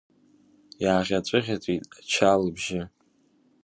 Иааӷьаҵәы-ӷьаҵәит Ача лыбжьы.